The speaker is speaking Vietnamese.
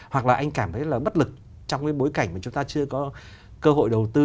hoặc là anh cảm thấy là bất lực trong cái bối cảnh mà chúng ta chưa có cơ hội đầu tư